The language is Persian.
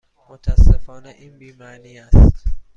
متاسفانه این بی معنی است.